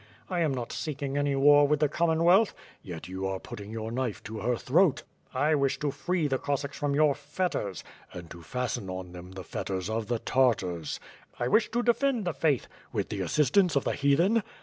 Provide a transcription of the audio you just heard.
'" "I am not seeking any war with the Commonwealth!" "Yet you are putting your knife to her throat!" "I wish to free the Cossacks from your fetters." "And to fasten on them the fetters of the Tartars." '*I wish to defend the faith.'' "With the assistance of the Heathen!"